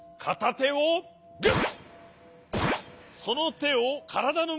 かたてをグッ！